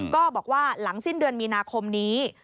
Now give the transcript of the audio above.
ก็บอกว่าหลังสิ้นเดือนมีนาคมนี้